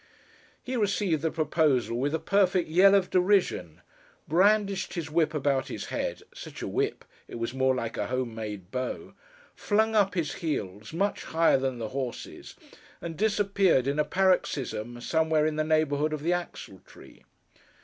He received the proposal with a perfect yell of derision; brandished his whip about his head (such a whip! it was more like a home made bow); flung up his heels, much higher than the horses; and disappeared, in a paroxysm, somewhere in the neighbourhood of the axle tree.